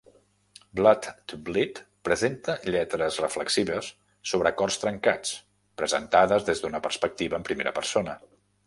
"Blood to Bleed" presenta lletres reflexives sobre cors trencats, presentades des d'una perspectiva en primera persona.